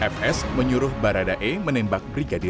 fs menyuruh baradae menembak brigadir